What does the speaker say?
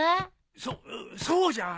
そそうじゃな。